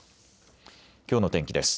きょうの天気です。